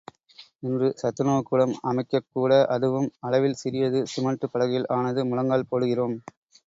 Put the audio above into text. இன்று சத்துணவுக்கூடம் அமைக்கக் கூட அதுவும் அளவில் சிறியது சிமெண்டு பலகையில் ஆனது முழங்கால் போடுகிறோம்.